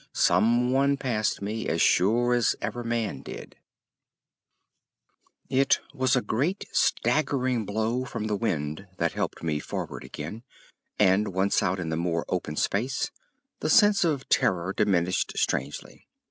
Someone passed me, as sure as ever man did…. It was a great staggering blow from the wind that helped me forward again, and once out in the more open space, the sense of terror diminished strangely.